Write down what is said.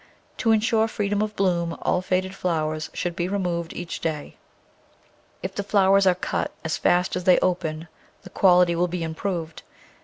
To insure freedom of bloom all faded flowers should be removed each day. If the flowers are cut as fast as they open the quality will be improved.